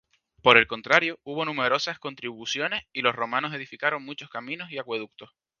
Por el contrario, hubo numerosas construcciones, y los romanos edificaron muchos caminos y acueductos.